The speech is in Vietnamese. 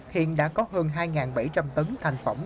hiện đã có hơn hai bảy trăm linh tấn thành phẩm